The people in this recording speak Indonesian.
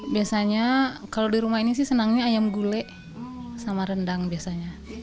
biasanya kalau di rumah ini sih senangnya ayam gulai sama rendang biasanya